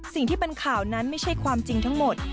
สิ่งที่เป็นข่าวนั้นไม่ใช่ความจริงทั้งหมด